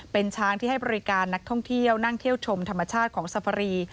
เป็นช้างที่ให้บริการนักท่องเที่ยวนั่งเที่ยวชมธรรมชาติของสภรี